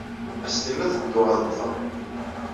Ad s-tiniḍ tedduɣ ad mmteɣ.